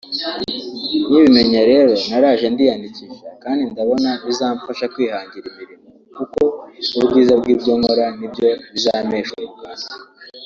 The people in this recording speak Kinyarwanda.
nkibimenya rero naraje ndiyandikisha kandi ndabona bizamfasha kwihangira imirimo kuko ubwiza bw’ibyo nkora ni byo bizampesha umugati